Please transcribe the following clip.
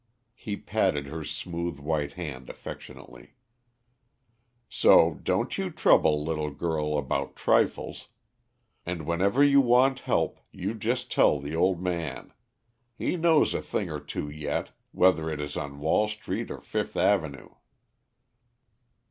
He patted her smooth white hand affectionately. "So don't you trouble, little girl, about trifles; and whenever you want help, you just tell the old man. He knows a thing or two yet, whether it is on Wall Street or Fifth Avenue."